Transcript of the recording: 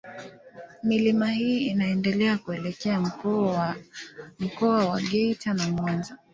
Milima hii inaendelea kuelekea Mkoa wa Geita na Mwanza.